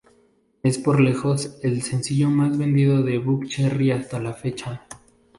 Es por lejos el sencillo más vendido de Buckcherry hasta la fecha.